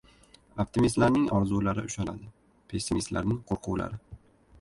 Optimistlarning orzulari ushaladi. Pessimistlarning qo‘rquvlari.